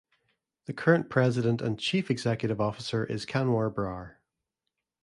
The current President and Chief Executive Officer is Kanwar Brar.